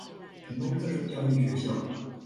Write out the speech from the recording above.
成功特殊教育學校